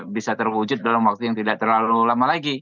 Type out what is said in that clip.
bisa terwujud dalam waktu yang tidak terlalu lama lagi